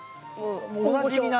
おなじみな。